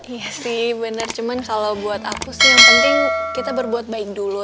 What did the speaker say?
iya sih bener cuman kalau buat aku sih yang penting kita berbuat baik dulu